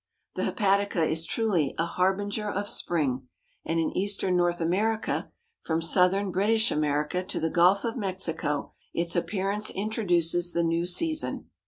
The Hepatica is truly a harbinger of spring, and in Eastern North America, from Southern British America to the Gulf of Mexico, its appearance introduces the new season.